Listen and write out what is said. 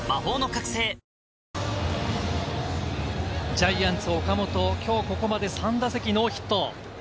ジャイアンツ・岡本、きょうここまで３打席ノーヒット。